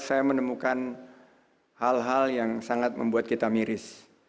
saya menemukan hal hal yang sangat membuat kita miris